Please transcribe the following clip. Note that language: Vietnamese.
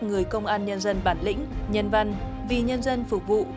người công an nhân dân bản lĩnh nhân văn vì nhân dân phục vụ